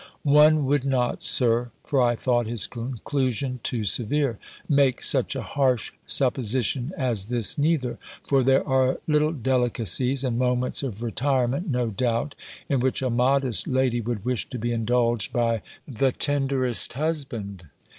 "One would not, Sir" (for I thought his conclusion too severe), "make such a harsh supposition as this neither: for there are little delicacies and moments of retirement, no doubt, in which a modest lady would wish to be indulged by the tenderest husband."